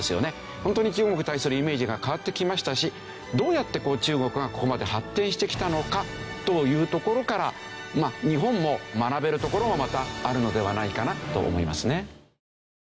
ホントに中国に対するイメージが変わってきましたしどうやって中国がここまで発展してきたのかというところから日本も学べるところもまたあるのではないかなと思いますね。